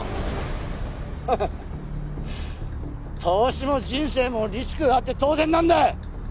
投資も人生もリスクがあって当然なんだ！